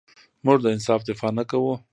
موږ د انصاف دفاع نه کوو.